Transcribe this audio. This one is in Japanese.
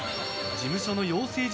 事務所の養成所